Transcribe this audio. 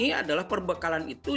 ini adalah perbekalan itu